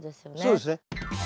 そうですね。